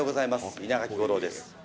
稲垣吾郎です。